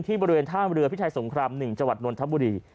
ที่บริเวณท่านเรือพิชัยสงคราม๑จนทับบุรี